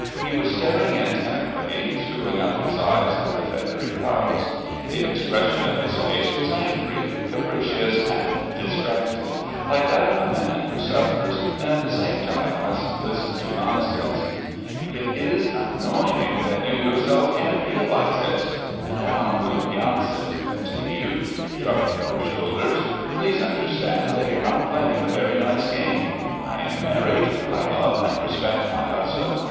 He was staring intently, screwing up his eyes at the feathery clouds. The expression of his face was angry, capricious and distracted, like that of a man who suffers and at the same time must listen to nonsense. "It is annoying that you yourself can't realise it!" Madame Loubianzev continued, shrugging her shoulders. "Please understand that you're not playing a very nice game. I am married, I love and respect my husband.